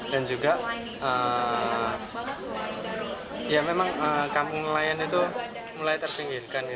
dan juga kampung nelayan itu mulai terpinggirkan